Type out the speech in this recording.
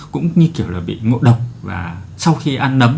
cũng như kiểu là bị ngộ độc và sau khi ăn nấm